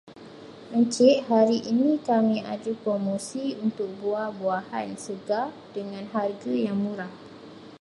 Encik, hari ini kami ada promosi untuk buah-buahan segar dengan harga yang murah.